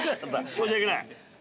申し訳ない。